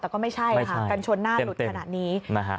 แต่ก็ไม่ใช่กันชนหน้าหลุดขนาดนี้